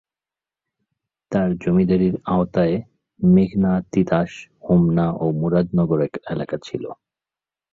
তার জমিদারীর আওতায় মেঘনা, তিতাস, হোমনা ও মুরাদনগর এলাকা ছিল।